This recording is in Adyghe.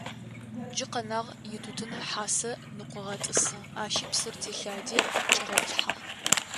Джы къэнагъ: итутын хьасэ ныкъогъэтӀысы, ащи псыр телъади чӀигъэбылъыхьагъ.